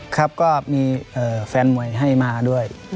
ครับก็มีแฟนมวยให้มาด้วย